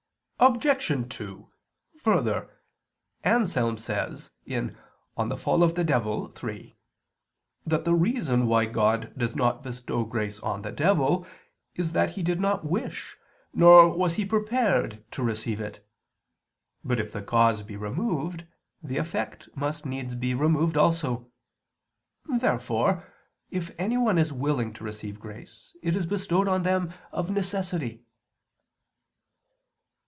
Obj. 2: Further, Anselm says (De Casu Diaboli. iii) that the reason why God does not bestow grace on the devil, is that he did not wish, nor was he prepared, to receive it. But if the cause be removed, the effect must needs be removed also. Therefore, if anyone is willing to receive grace it is bestowed on them of necessity.